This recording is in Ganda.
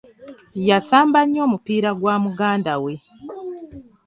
Yasamba nnyo omupiira gwa muganda we.